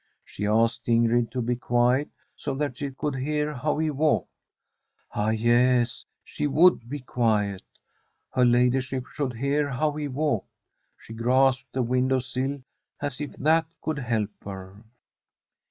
She asked Ingrid to be quiet, so that she could hear how he walked. Ah, yes, she would be quiet. Her ladyship should hear how he walked. She grasped the window sill, as if that could help her.